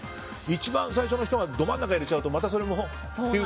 一番最初の人がど真ん中に入れちゃうとまたそれもって。